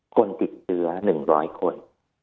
คนติดเชื้อ๑๐๐คน